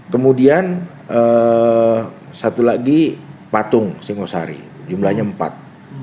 kemudian satu lagi patung singosari jumlahnya empat